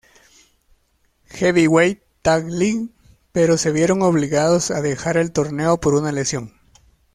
Heavyweight Tag League", pero se vieron obligados a dejar el torneo por una lesión.